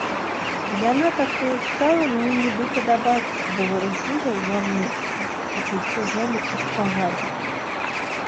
Яна, такою, стала мне нібы падабацца, бо варушыла ўва мне пачуццё жалю і спагады.